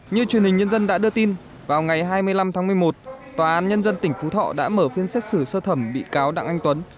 như truyền hình nhân dân đã đưa tin vào ngày hai mươi năm tháng một mươi một tòa án nhân dân tỉnh phú thọ đã mở phiên xét xử sơ thẩm bị cáo đặng anh tuấn